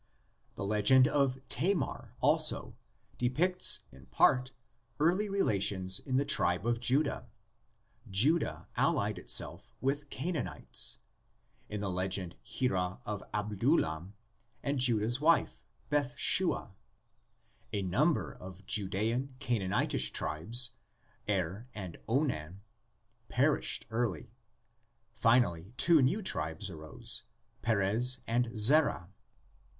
The legend of Tamar, also, depicts in part early relations in the tribe of Judah: Judah allied it self with Canaanites, in the legend Hirah of Adul 1am and Judah' s wife, Bathshua; a number of Judsean Canaanitish tribes (Er and Onan) perished early; finally two new tribes arose (Perez and Zerah).